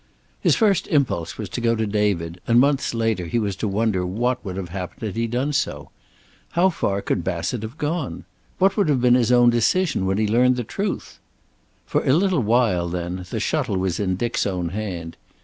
His first impulse was to go to David, and months later he was to wonder what would have happened had he done so. How far could Bassett have gone? What would have been his own decision when he learned the truth? For a little while, then, the shuttle was in Dick's own hand.